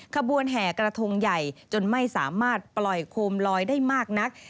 ขบวนแห่กระทงใหญ่จนไม่สามารถปล่อยโคมลอยได้มากนัก